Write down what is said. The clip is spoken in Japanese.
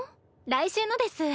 来週のです。